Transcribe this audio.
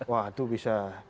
wah itu bisa